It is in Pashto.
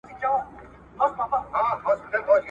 څوک چي په غم کي د نورو نه وي ,